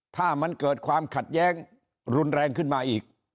ถ้ามันเกิดความขัดแย้งรุนแรงขึ้นมาอีก